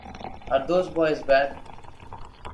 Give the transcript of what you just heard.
Are those boys bad?